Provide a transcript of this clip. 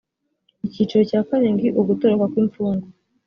icyiciro cya karindwi ugutoroka kw imfungwa